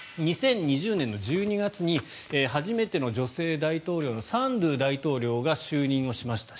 ２０２０年の１２月に初めての女性大統領のサンドゥ大統領が就任しました。